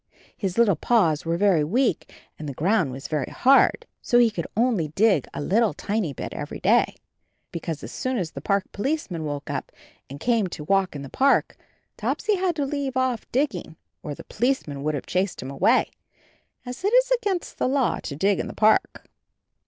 His little paws were very weak and the ground was very hard, so he could only dig a little tiny bit every day, because as soon as the Park Policeman woke up and came to walk in the park, Topsy had to leave off dig ging or the Policeman would have chased him away — as it is against the law to dig in the park.